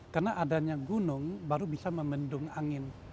karena adanya gunung baru bisa memendung angin